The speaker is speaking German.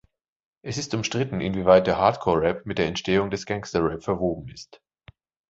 Es ist umstritten, inwieweit der Hardcore-Rap mit der Entstehung des Gangsta-Rap verwoben ist.